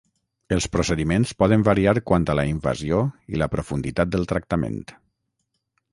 Els procediments poden variar quant a la invasió i la profunditat del tractament.